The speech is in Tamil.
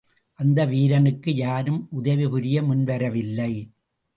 அந்த வீரனுக்கு யாரும் உதவிபுரிய முன் வரவில்லை.